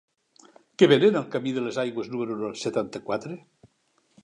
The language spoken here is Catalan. Què venen al camí de les Aigües número setanta-quatre?